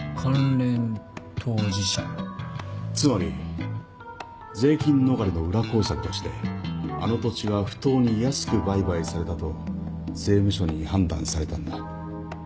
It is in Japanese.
つまり税金逃れの裏工作としてあの土地が不当に安く売買されたと税務署に判断されたんだ。